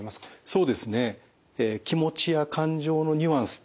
そうですね。